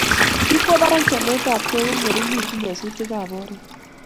Kikwo barak chametabgei kongeringitu nyasutikab oret